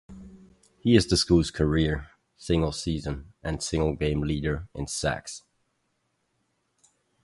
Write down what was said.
He is the school's career, single-season, and single-game leader in sacks.